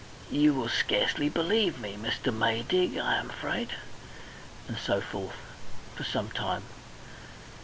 "You will scarcely believe me, Mr. Maydig, I am afraid" and so forth for some time.